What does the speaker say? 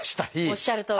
おっしゃるとおり！